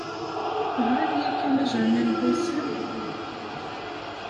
Teɣriḍ yakan ajernan n wassa?